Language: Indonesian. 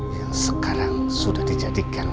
yang sekarang sudah dijadikan